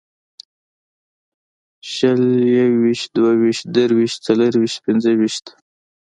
شل یوویشت دوهویشت درویشت څلېرویشت پنځهویشت